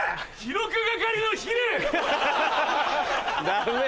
ダメ。